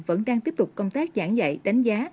vẫn đang tiếp tục công tác giảng dạy đánh giá